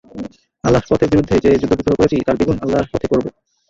আল্লাহর পথের বিরুদ্ধে যে যুদ্ধবিগ্রহ করেছি, তার দ্বিগুণ আল্লাহর পথে করব।